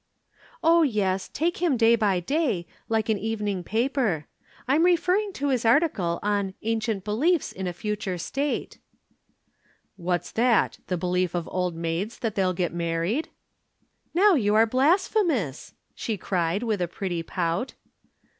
"Oh, yes, take him day by day, like an evening paper. I'm referring to his article on 'Ancient Beliefs in a Future State.'" "What's that the belief of old maids that they'll get married?" "Now you are blasphemous," she cried with a pretty pout.